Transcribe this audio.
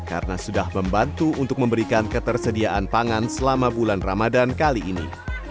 karena sudah membantu untuk memberikan ketersediaan pangan selama bulan ramadan kali ini